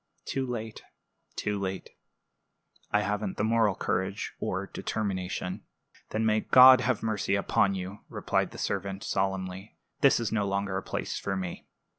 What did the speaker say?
"Too late, too late. I haven't the moral courage or determination." "Then may God have mercy upon you!" replied the servant, solemnly. "This is no longer a place for me."